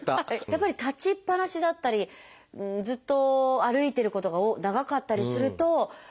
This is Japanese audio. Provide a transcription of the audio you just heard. やっぱり立ちっぱなしだったりずっと歩いてることが長かったりするとむくんだりしますね。